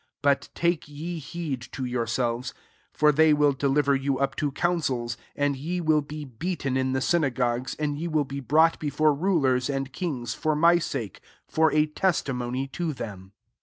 But take ye heed to yourselves; for they will defi ▼er you up to councils ; and yt win be beaten in ^ sytn^j gogues, and ye will be breitgly^ before rulers and kings for vqr sake ; for a testimony to them.